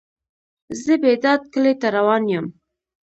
زه بیداد کلی ته روان یم.